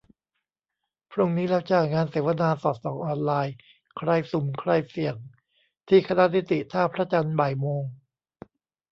พรุ่งนี้แล้วจ้า งานเสวนา 'สอดส่องออนไลน์ : ใครสุ่ม ใครเสี่ยง ?' ที่คณะนิติ ท่าพระจันทร์ บ่ายโมง